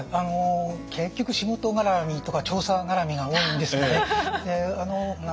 結局仕事がらみとか調査がらみが多いんですよね。